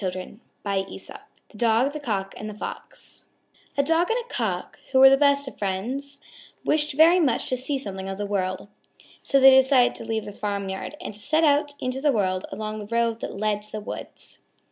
_ THE DOG, THE COCK, AND THE FOX A Dog and a Cock, who were the best of friends, wished very much to see something of the world. So they decided to leave the farmyard and to set out into the world along the road that led to the woods.